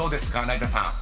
成田さん］